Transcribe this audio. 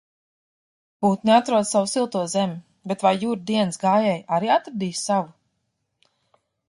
Putni atrod savu silto zemi, bet vai Jura dienas gājēji arī atradīs savu?